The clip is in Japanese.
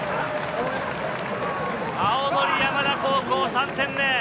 青森山田高校、３点目。